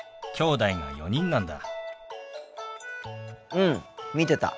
うん見てた。